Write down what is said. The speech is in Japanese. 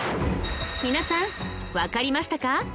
皆さんわかりましたか？